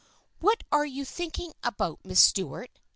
" What are you thinking about, Miss Stuart